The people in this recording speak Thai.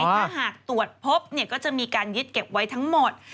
ถ้าหากตรวจพบก็จะมีการยึดเก็บไว้ทั้งหมด